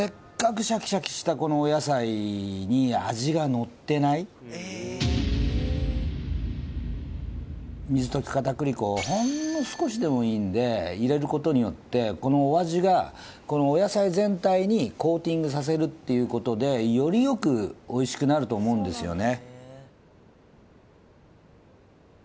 せっかく水溶き片栗粉をほんの少しでもいいんで入れることによってこのお味がこのお野菜全体にコーティングさせるっていうことでよりよくおいしくなると思うんですよね